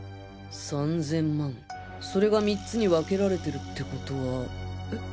３０００万それが３つに分けられてるって事はえ？